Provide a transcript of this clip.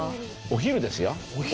お昼ですよお昼。